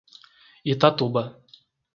Itatuba